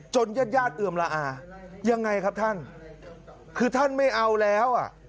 ญาติญาติเอือมละอายังไงครับท่านคือท่านไม่เอาแล้วอ่ะ